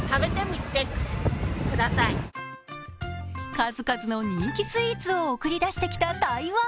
数々の人気スイーツを送り出してきた台湾。